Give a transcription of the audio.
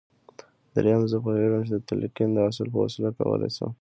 درېيم زه پوهېږم چې د تلقين د اصل په وسيله کولای شم.